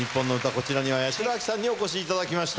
こちらには八代亜紀さんにお越しいただきました。